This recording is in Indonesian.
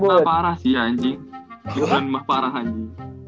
cleveland mah parah sih ya anjing cleveland mah parah anjing